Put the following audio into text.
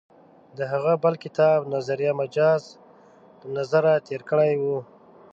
د هغه بل کتاب «نظریه مجاز» له نظره تېر کړی و.